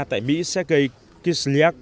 tại mỹ sergei kislyak